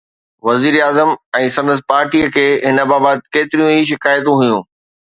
وزيراعظم ۽ سندس پارٽيءَ کي هن بابت ڪيتريون ئي شڪايتون هيون.